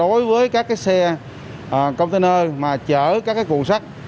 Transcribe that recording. đối với các cái xe container mà chở các cái cuộn sắt